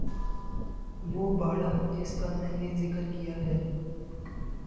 وہ باڑہ جس کا میں نے ذکر کیا ہے